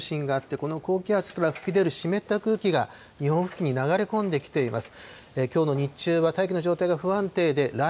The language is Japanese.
本州の南東海上に高気圧の中心があって、この高気圧から吹き出る湿った空気が日本付近に流れ込んできています。